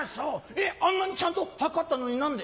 「えっあんなにちゃんと測ったのに何で？」。